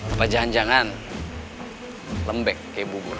apa jangan jangan lembek kayak bubur